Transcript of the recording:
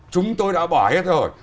chúng tôi đã bỏ hết rồi